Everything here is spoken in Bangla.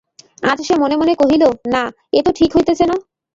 আজ সে মনে মনে কহিল, না, এ তো ঠিক হইতেছে না।